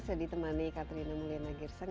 saya ditemani katrina mulyana girsang